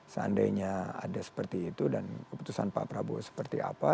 seandainya ada seperti itu dan keputusan pak prabowo seperti apa